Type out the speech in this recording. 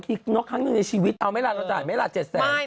อีกครั้งหนึ่งในชีวิตเอาไม่ลาเราจ่ายไม่ลาเจ็ดแสน